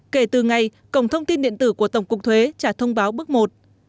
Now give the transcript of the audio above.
kể từ ngày cổng thông tin điện tử của tổng cục thuế trả thông báo bước một